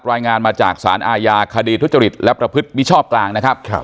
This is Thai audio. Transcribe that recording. รายงานมาจากสารอาญาคดีทุจริตและประพฤติมิชชอบกลางนะครับ